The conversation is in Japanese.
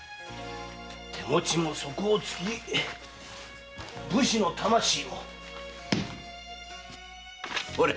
手持ちも底をつき武士の魂もほれ！